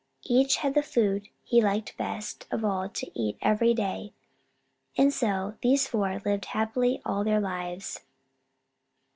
Each had the food he liked best of all to eat every day, and so these four lived happily all their lives.